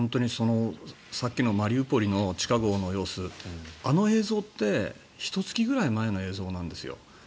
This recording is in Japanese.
さっきのマリウポリの地下壕の様子あの映像ってひと月ぐらい前の映像なんですよ。